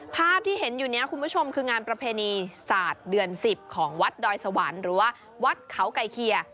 ภาพที่เห็นอยู่นี้คุณผู้ชมคืองานประเพณีศาสตร์เดือน๑๐ของวัดดอยสวรรค์หรือว่าวัดเขาไก่เคีย